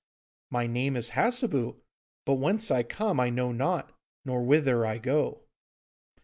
'My name is Hassebu, but whence I come I know not, nor whither I go.